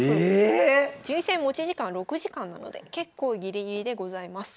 ええ⁉順位戦持ち時間６時間なので結構ギリギリでございます。